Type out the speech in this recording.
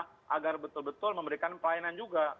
agar betul betul memberikan pelayanan juga